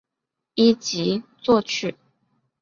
一级作曲。